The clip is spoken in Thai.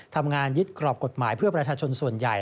ทำงานยึดกรอบกฎหมายเพื่อประชาชนส่วนใหญ่